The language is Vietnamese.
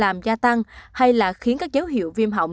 làm gia tăng hay là khiến các dấu hiệu viêm họng